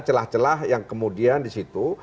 celah celah yang kemudian disitu